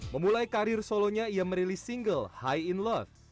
memulai karir solonya ia merilis single high in love